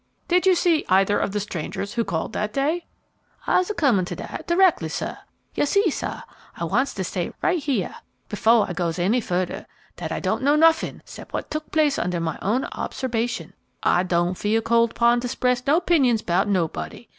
"Did you see either of the strangers who called that day?" "I'se a comm' to dat d'rectly, sah. You see, sah, I wants to say right heah, befo' I goes any furder, dat I don' know noffin 'cept what tuk place under my own obserbation. I don' feel called upon to 'spress no 'pinions 'bout nobody.